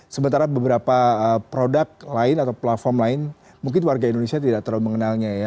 sementara beberapa produk lain atau platform lain mungkin warga indonesia tidak terlalu mengenalnya ya